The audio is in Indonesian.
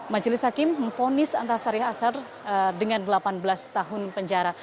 majelis hakim memfonis antasari asar dengan delapan belas tahun penjara